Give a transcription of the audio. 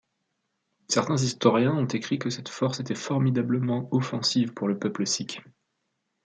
Certains historiens ont écrit que cette force était formidablement offensive pour le peuple sikh.